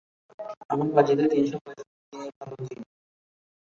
আমার পাঁজিতে তিনশো পঁয়ষট্টি দিনই ভালো দিন।